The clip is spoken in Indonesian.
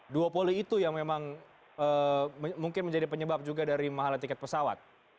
duopoli itu yang memang mungkin menjadi penyebab juga dari mahalan tiket pesawat